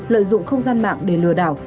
lợi dụng không gian mạng để lừa đảo